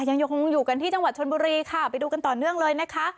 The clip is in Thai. ยังคงอยู่กันที่จังหวัดชนบุรีค่ะไปดูกันต่อเนื่องเลยนะคะ